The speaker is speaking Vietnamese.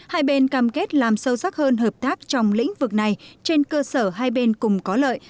hai bên cam kết làm sâu sắc hơn hợp tác trong lĩnh vực này trên cơ sở hai bên cùng có lợi